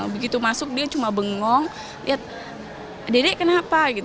begitu masuk dia cuma bengong lihat dedek kenapa gitu